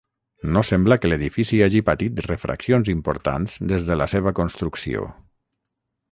No sembla que l'edifici hagi patit refaccions importants des de la seva construcció.